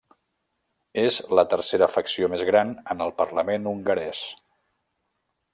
És la tercera facció més gran en el Parlament hongarès.